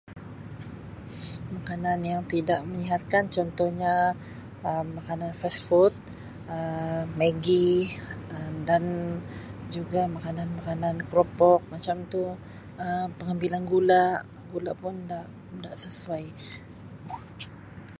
"Makanan yang tidak menyihatkan contohnya Um makanan ""fast food"" Um maggi dan juga makanan-makanan keropok macam tu Um pengambilan gula gula pun nda sesuai."